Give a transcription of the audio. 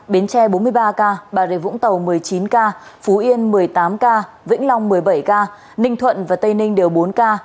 bến tre bốn mươi ba ca bà rịa vũng tàu một mươi chín ca phú yên một mươi tám ca vĩnh long một mươi bảy ca ninh thuận và tây ninh đều bốn ca